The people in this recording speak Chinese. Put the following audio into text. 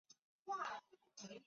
他的儿子是金密索尔。